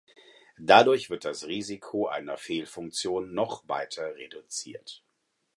Dadurch wird das Risiko einer Fehlfunktion noch weiter reduziert.